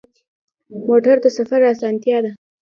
موټر د سفر اسانتیا ده.